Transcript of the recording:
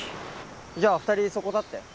じゃあ２人そこ立って。